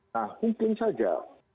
nah mungkin saja